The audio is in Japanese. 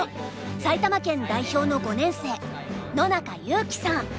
埼玉県代表の５年生野中優希さん。